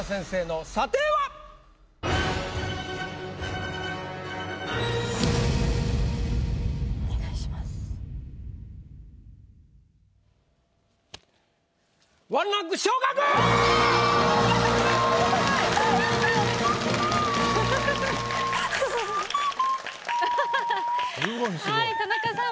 はい田中さん